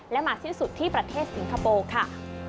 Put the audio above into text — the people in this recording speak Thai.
และมาสิ้นสุดที่ประเทศสิงคโปร์ค่ะ